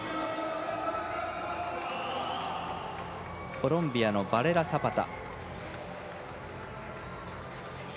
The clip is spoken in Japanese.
コロンビアのバレラサパタ。